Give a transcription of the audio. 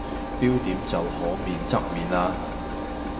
標點就可免則免喇